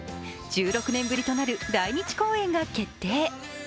１６年ぶりとなる来日公演が決定。